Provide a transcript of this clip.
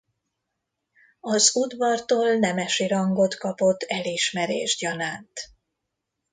Az udvartól nemesi rangot kapott elismerés gyanánt.